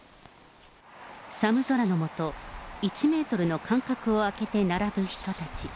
寒空の下、１メートルの間隔をあけて並ぶ人たち。